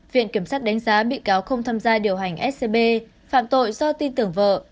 viện kiểm sát đánh giá bị cáo không tham gia điều hành scb phạm tội do tin tưởng vợ